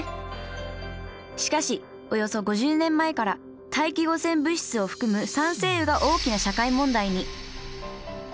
しかしおよそ５０年前から大気汚染物質を含む酸性雨が大きな社会問題に。